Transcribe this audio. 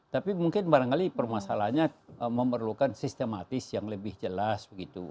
tapi mungkin barangkali permasalahannya memerlukan sistematis yang lebih jelas begitu